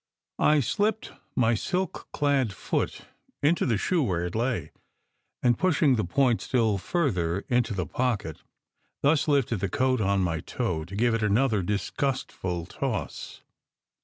I slipped my silk clad foot into the shoe where it lay, and pushing the point still further into the pocket, thus lifted the coat on my toe to give it another disgustful toss.